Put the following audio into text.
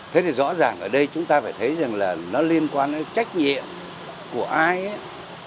thế thì rõ ràng ở đây chúng ta phải thấy rằng là nó liên quan đến trách nhiệm của ai